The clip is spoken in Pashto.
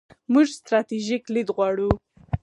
موږ ستراتیژیک لید غواړو.